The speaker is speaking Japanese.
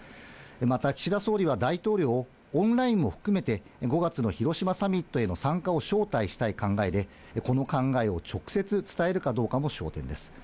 また岸田総理は大統領をオンラインも含めて、５月の広島サミットへの参加を招待したい考えで、この考えを直接伝えるかどうかも焦点です。